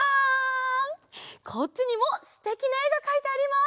こっちにもすてきなえがかいてあります！